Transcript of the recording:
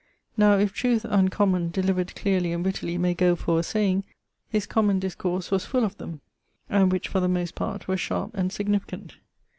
Now if trueth (uncommon) delivered clearly and wittily may goe for a saying, his common discourse was full of them, and which for the most part were sharpe and significant.